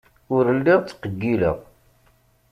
Ur lliɣ ttqeyyileɣ.